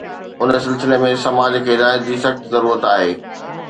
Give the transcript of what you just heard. ان سلسلي ۾ سماج کي هدايت جي سخت ضرورت آهي.